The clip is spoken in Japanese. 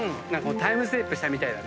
タイムスリップしたみたいだね。